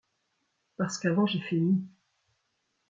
Parce qu’avant j’ai fait mi.